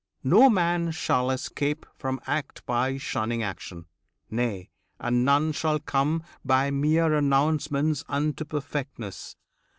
No man shall 'scape from act By shunning action; nay, and none shall come By mere renouncements unto perfectness.